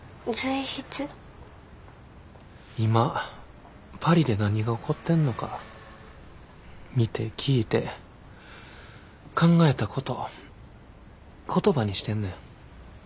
今パリで何が起こってんのか見て聞いて考えたこと言葉にしてんねん。